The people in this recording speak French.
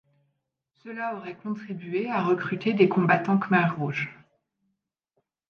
Cela aurait contribué à recruter des combattants Khmers rouges.